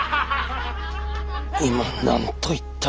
今何と言った。